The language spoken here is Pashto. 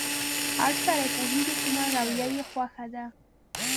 هر سړی پوهېږي کومه رويه يې خوښه ده.